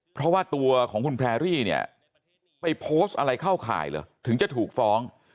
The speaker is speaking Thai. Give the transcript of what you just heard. เพราะว่าตัวของคุณแพรรี่เนี่ยไปโพสต์อะไรเข้าข่ายเหรอถึงจะถูกฟ้อง